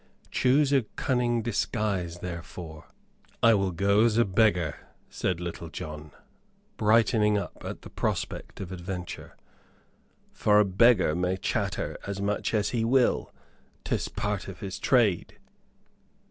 Choose a cunning disguise therefor." "I will go as a beggar," said Little John, brightening up at the prospect of adventure. "For a beggar may chatter as much as he will 'tis part of his trade."